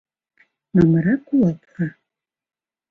Мамыра кува пура.